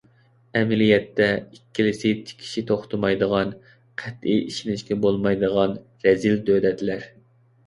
ئەمەلىيەتتە ئىككىلىسى تىكىشى توختىمايدىغان، قەتئىي ئىشىنىشكە بولمايدىغان رەزىل دۆلەتلەر.